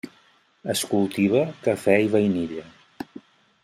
Es cultiva cafè i vainilla.